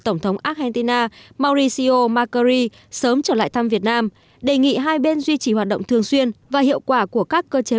tổng thống argentina mauricio macri sớm trở lại thăm việt nam đề nghị hai bên duy trì hoạt động thường xuyên và hiệu quả của các cơ chế